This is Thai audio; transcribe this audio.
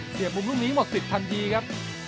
มุมลูกนี้หมดสิทธิ์ทันทีครับ